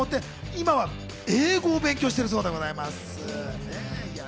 今は英語を勉強しているそうです。